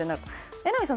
榎並さん